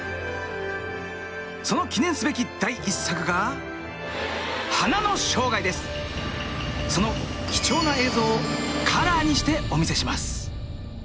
その記念すべき第１作がその貴重な映像をカラーにしてお見せします。